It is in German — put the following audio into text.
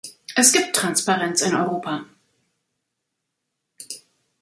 Es gibt Transparenz in Europa.